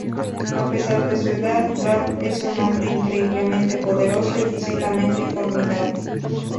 A pesar de su edad, Garp es un hombre increíblemente poderoso y físicamente formidable.